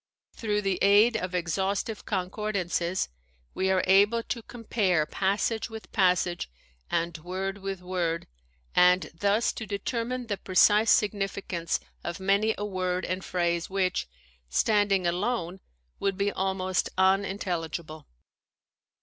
Through the aid of exhaustive concordances we are able to compare passage with passage and word with word, and thus to determine the precise significance of many a word and phrase which, standing alone, would be almost unintel ligible.